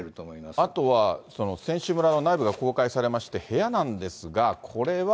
あとは、選手村の内部が公開されまして、部屋なんですが、これは。